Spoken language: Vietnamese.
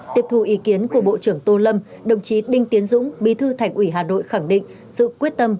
tiếp thu ý kiến của bộ trưởng tô lâm đồng chí đinh tiến dũng bí thư thành ủy hà nội khẳng định sự quyết tâm